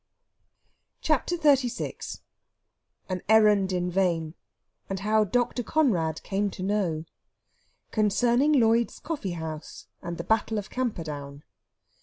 CHAPTER XLVI AN ERRAND IN VAIN, AND HOW DR. CONRAD CAME TO KNOW. CONCERNING LLOYD'S COFFEEHOUSE, AND THE BATTLE OF CAMPERDOWN.